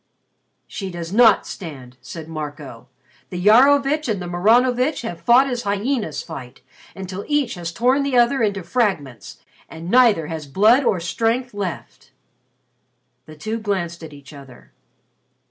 "She does not stand," said Marco. "The Iarovitch and the Maranovitch have fought as hyenas fight, until each has torn the other into fragments and neither has blood or strength left." The two glanced at each other.